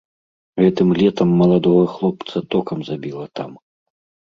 Гэтым летам маладога хлопца токам забіла там.